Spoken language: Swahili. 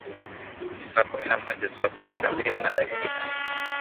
ni saa kumi na moja saa kumi na mbili na dakika